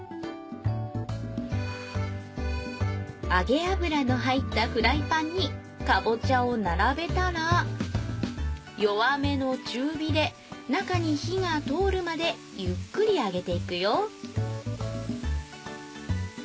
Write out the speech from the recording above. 揚げ油の入ったフライパンにかぼちゃを並べたら弱めの中火で中に火が通るまでゆっくり揚げていくよ